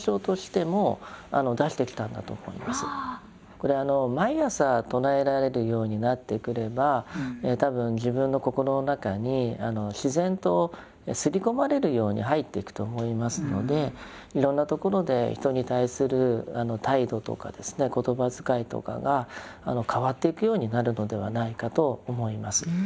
これ毎朝唱えられるようになってくれば多分自分の心の中に自然とすり込まれるように入っていくと思いますのでいろんなところで人に対する態度とか言葉遣いとかが変わっていくようになるのではないかと思います。